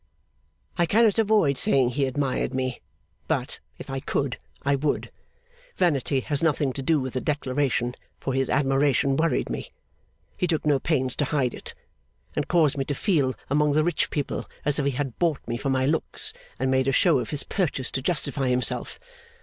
I cannot avoid saying he admired me; but, if I could, I would. Vanity has nothing to do with the declaration, for his admiration worried me. He took no pains to hide it; and caused me to feel among the rich people as if he had bought me for my looks, and made a show of his purchase to justify himself.